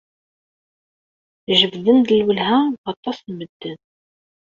Jebden-d lwelha n waṭas n medden.